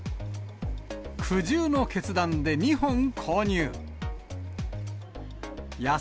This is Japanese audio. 苦渋の決断で２本購入。